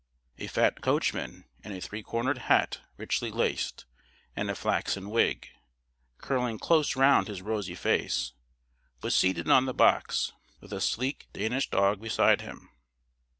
A fat coachman, in a three cornered hat richly laced and a flaxen wig, curling close round his rosy face, was seated on the box, with a sleek Danish dog beside him.